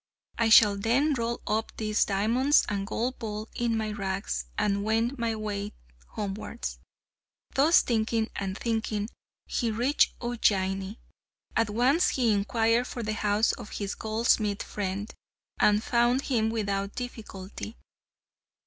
I shall then roll up these diamonds and gold ball in my rags, and wend my way homewards." Thus thinking and thinking, he reached Ujjaini. At once he inquired for the house of his goldsmith friend, and found him without difficulty.